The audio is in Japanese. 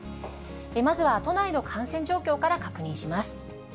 まずは都内の感染状況から確認します。